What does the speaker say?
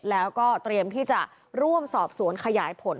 แล้วก็เตรียมที่จะร่วมสอบสวนขยายผล